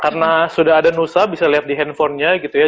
karena sudah ada nusa bisa lihat di handphonenya gitu ya